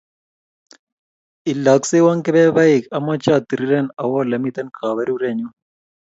Ilakseywon kepebaik amache atiriren, awo olemi kaberuret nyu.